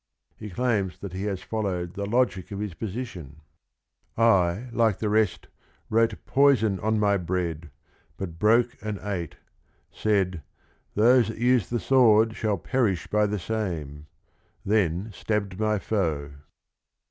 He claims that he has fol lowed the logic of his position: "I, like the rest, wrote 'poison ' on my bread, But broke and ate :— said 'Those that use the sword Shall perish by the same ;' then stabbed my foe."